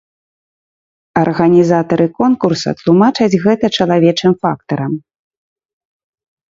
Арганізатары конкурса тлумачаць гэта чалавечым фактарам.